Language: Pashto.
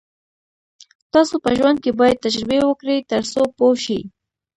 تاسو په ژوند کې باید تجربې وکړئ تر څو پوه شئ.